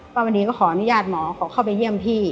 มณีก็ขออนุญาตหมอขอเข้าไปเยี่ยมพี่